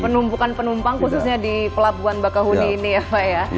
penumpukan penumpang khususnya di pelabuhan bakahuni ini ya pak ya